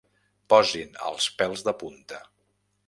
Posin els pèls de punta.